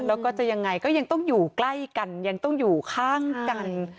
แล้วก็จะยังไงก็ยังต้องอยู่ใกล้กันยังต้องอยู่ข้างกัน